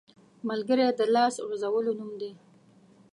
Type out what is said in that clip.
ملګری د لاس غځولو نوم دی